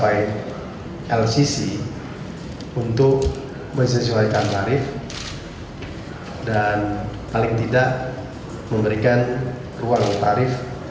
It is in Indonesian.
lcc untuk menyesuaikan tarif dan paling tidak memberikan ruang tarif